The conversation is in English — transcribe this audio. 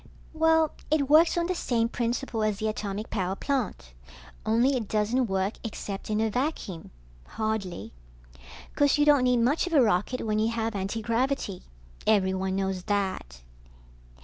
Well, it works on the same principle as the atomic power plant, only it doesn't work except in a vacuum, hardly. Course you don't need much of a rocket when you have antigravity. Everyone knows that.